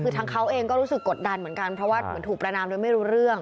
คือทางเขาเองก็รู้สึกกดดันเหมือนกันเพราะว่าเหมือนถูกประนามโดยไม่รู้เรื่อง